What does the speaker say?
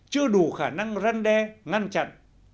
chưa đủ khả năng răn đe ngăn chặn